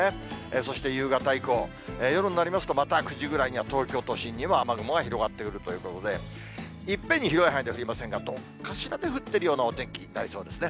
そして夕方以降、夜になりますと、また９時ぐらいには東京都心も雨雲が広がってくるということで、いっぺんに広い範囲で降りませんが、どっかしらで降ってるようなお天気になりそうですね。